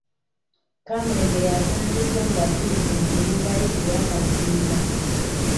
Kaamulegeya asangiddwa nga afiiridde mu nnyumba ye gye yaakazimba.